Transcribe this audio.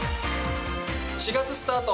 ４月スタート！